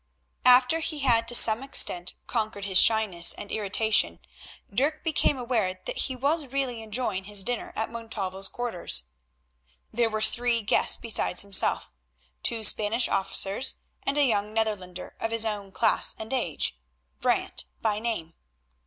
After he had to some extent conquered his shyness and irritation Dirk became aware that he was really enjoying his dinner at Montalvo's quarters. There were three guests besides himself, two Spanish officers and a young Netherlander of his own class and age, Brant by name.